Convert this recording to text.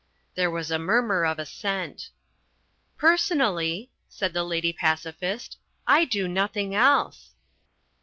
There was a murmur of assent. "Personally," said The Lady Pacifist, "I do nothing else."